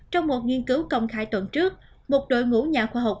trong một nghiên cứu công khai tuần trước một đội ngũ nhà khoa học